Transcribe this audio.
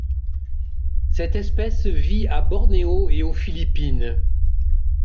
Cette espèce vit à Bornéo et aux Philippines.